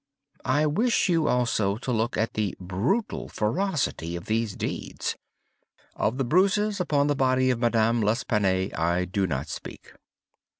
I wish you also to look at the brutal ferocity of these deeds. Of the bruises upon the body of Madame L'Espanaye I do not speak.